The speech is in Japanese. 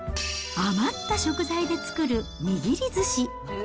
余った食材で作る握りずし。